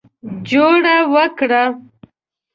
جوړه وکړه.